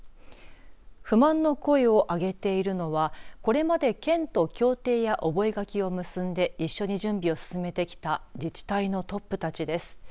不満の声を上げているのはこれまで県と協定や覚書を結んで一緒に準備を進めてきた自治体のトップたちです。